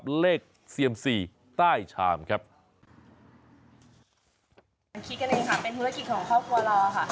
คิดกันเลยค่ะเป็นธุรกิจของครอบครัวเราค่ะเราอยากกลับให้แบบมันขายดีขึ้นนะคะ